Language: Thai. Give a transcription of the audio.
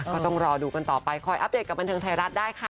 ก็ต้องรอดูกันต่อไปคอยอัปเดตกับบันเทิงไทยรัฐได้ค่ะ